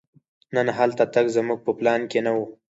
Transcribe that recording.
نن هلته تګ زموږ په پلان کې نه و.